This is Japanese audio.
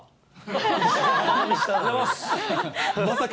まさか。